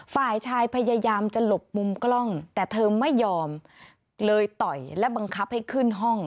ฝ่ายชายพยายามจะหลบมุมกล้องแต่เธอไม่ยอมเลยต่อยและบังคับให้ขึ้นห้อง